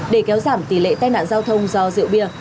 để kéo giảm tỷ lệ tai nạn giao thông do rượu bia